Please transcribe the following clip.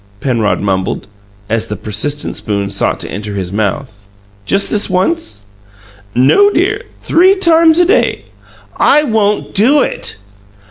Penrod mumbled, as the persistent spoon sought to enter his mouth. "Just this once?" "No, dear; three times a day." "I won't do it!"